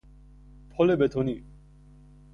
پل بتونی